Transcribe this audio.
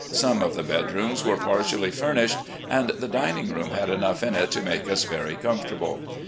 Some of the bedrooms were partially furnished, and the dining room had enough in it to make us very comfortable.